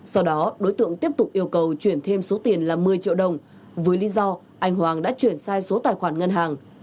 sau đó đối tượng tiếp tục yêu cầu chuyển thêm số tiền là một mươi triệu đồng với lý do anh hoàng đã chuyển sai số tài khoản ngân hàng